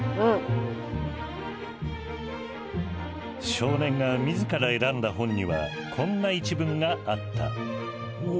少年が自ら選んだ本にはこんな一文があった。